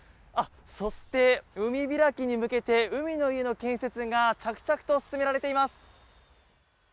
そして、海開きに向けて海の家の建設が着々と進められています。